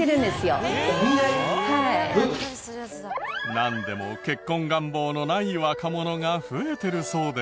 なんでも結婚願望のない若者が増えてるそうで。